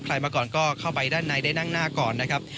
มาก่อนก็เข้าไปด้านในได้นั่งหน้าก่อนนะครับ